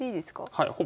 はい。